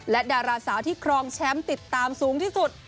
และดาราสาวที่ครองแชมป์ติดตามสูงที่สุด